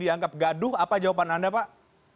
dianggap gaduh apa jawaban anda pak